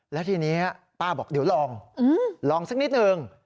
แล้วทีนี้ป้าบอกเดี๋ยวลองลองสักนิดนึง